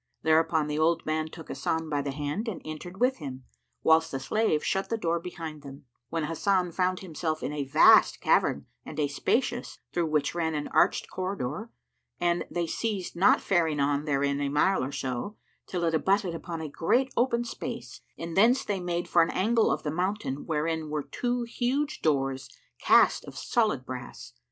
Thereupon the old man took Hasan by the hand and entered with him, whilst the slave shut the door behind them; when Hasan found himself in a vast cavern and a spacious, through which ran an arched corridor and they ceased not faring on therein a mile or so, till it abutted upon a great open space and thence they made for an angle of the mountain wherein were two huge doors cast of solid brass.